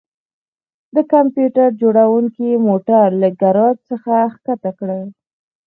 د کمپیوټر جوړونکي موټر له ګراج څخه ښکته کړ